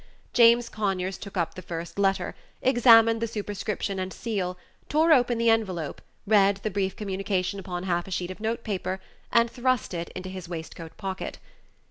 James Conyers took up the first letter, examined the superscription and seal, tore open the envelope, read the brief communication upon half a sheet of note paper, and thrust it into his waistcoat pocket.